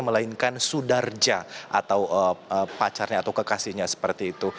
melainkan sudarja atau pacarnya atau kekasihnya seperti itu